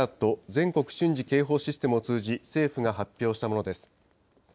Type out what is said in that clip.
・全国瞬時警報システムを通じ、政府が発表したものです。